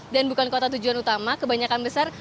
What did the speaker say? dan bukan kota tujuan utama kebanyakan besar